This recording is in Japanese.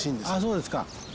そうですか。